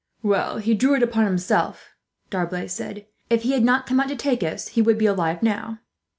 "He drew it upon himself," D'Arblay said. "If he had not come out to take us, he would be alive now.